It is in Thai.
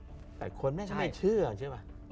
แต่คนไม่ใช่ไม่เชื่อเชื่อป่ะ